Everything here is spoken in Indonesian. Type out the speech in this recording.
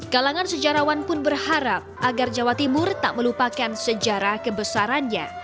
kalangan sejarawan pun berharap agar jawa timur tak melupakan sejarah kebesarannya